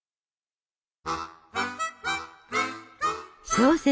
小説